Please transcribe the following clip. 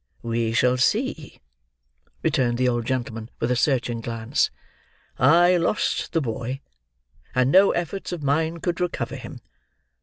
"We shall see," returned the old gentleman with a searching glance. "I lost the boy, and no efforts of mine could recover him.